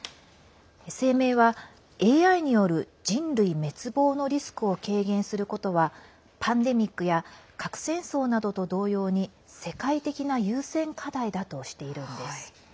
声明はＡＩによる人類滅亡のリスクを軽減することはパンデミックや核戦争などと同様に世界的な優先課題だとしているんです。